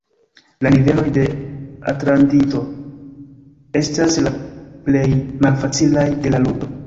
La niveloj de Atlantido estas la plej malfacilaj de la ludo.